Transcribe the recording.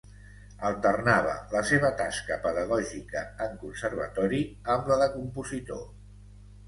Alternava la seva tasca pedagògica en Conservatori amb la de compositor.